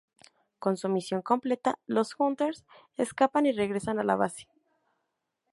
Con su misión completa, los Hunters escapan y regresan a la base.